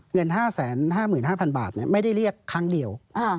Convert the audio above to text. เงิน๕๕๕๐๐บาทไม่ได้เรียกครั้งเดียว